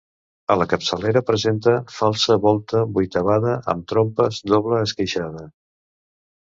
A la capçalera presenta falsa volta vuitavada amb trompes doble esqueixada.